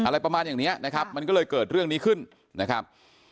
อะไรประมาณอย่างเนี้ยนะครับมันก็เลยเกิดเรื่องนี้ขึ้นนะครับ